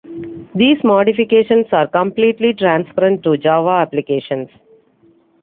These modifications are completely transparent to Java applications.